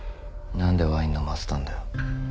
何でワイン飲ませたんだよ。